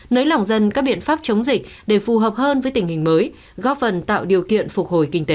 nới lỏng dân các biện pháp chống dịch để phù hợp hơn với tình hình mới góp phần tạo điều kiện phục hồi kinh tế